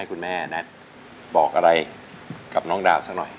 คุณแม่แท็ตบอกอะไรกับน้องดาวสักหน่อย